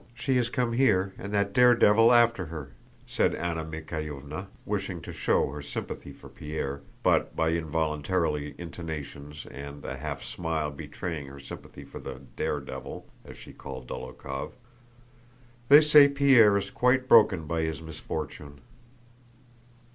she has come here and that daredevil after her!" said Anna Mikháylovna, wishing to show her sympathy for Pierre, but by involuntary intonations and a half smile betraying her sympathy for the "daredevil," as she called Dólokhov. "They say Pierre is quite broken by his misfortune."